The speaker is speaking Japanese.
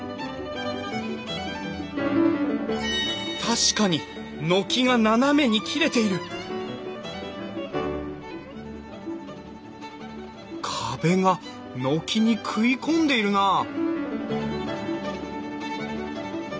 確かに軒が斜めに切れている壁が軒に食い込んでいるなあ